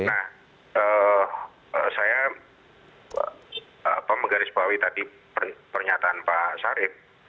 nah saya pak megaris bawi tadi pernyataan pak sarip